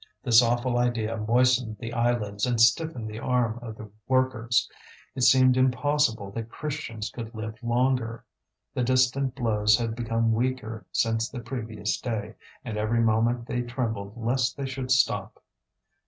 This awful idea moistened the eyelids and stiffened the arm of the workers. It seemed impossible that Christians could live longer. The distant blows had become weaker since the previous day, and every moment they trembled lest they should stop.